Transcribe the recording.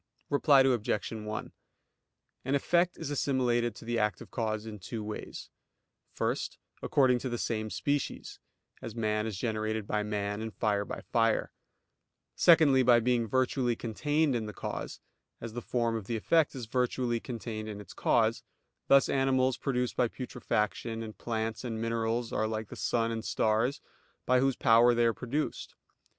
Reply Obj. 1: An effect is assimilated to the active cause in two ways. First, according to the same species; as man is generated by man, and fire by fire. Secondly, by being virtually contained in the cause; as the form of the effect is virtually contained in its cause: thus animals produced by putrefaction, and plants, and minerals are like the sun and stars, by whose power they are produced.